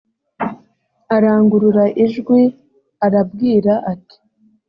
arangurura ijwi arabwira ati